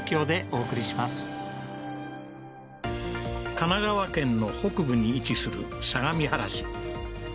神奈川県の北部に位置する相模原市